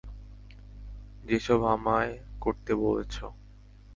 যেসব আমায় করতে বলেছো।